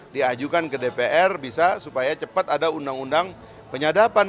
diajukan ke dpr bisa supaya cepat ada undang undang penyadapan